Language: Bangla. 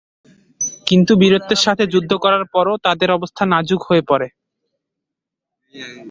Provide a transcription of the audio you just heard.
কিন্তু বীরত্বের সঙ্গে যুদ্ধ করার পরও তাদের অবস্থা নাজুক হয়ে পড়ে।